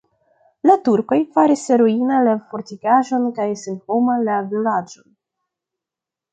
La turkoj faris ruina la fortikaĵon kaj senhoma la vilaĝon.